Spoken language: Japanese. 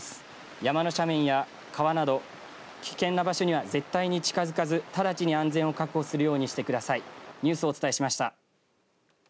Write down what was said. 山の斜面や川など危険な場所には絶対に近づかず直ちに安全を確保するようにしてください。